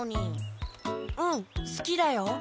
うんすきだよ。